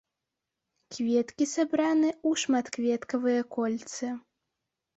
Кветкі сабраны ў шматкветкавыя кольцы.